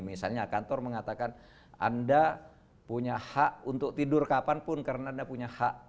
misalnya kantor mengatakan anda punya hak untuk tidur kapanpun karena anda punya hak